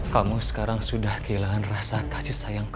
kamu sekarang sudah kehilangan rasa kasih sayangku